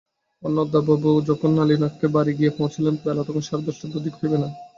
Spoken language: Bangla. অন্নদাবাবু যখন নলিনাক্ষের বাড়ি গিয়া পৌঁছিলেন বেলা তখন সাড়ে দশটার অধিক হইবে না।